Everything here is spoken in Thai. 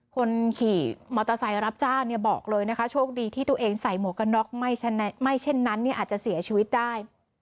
คนขี่มอเตอร์ไซค์รับจ้างบอกเลยนะคะโชคดีที่ตัวเองใส่หมวกกันน็อกไม่เช่นนั้นอาจจะเสียชีวิตได้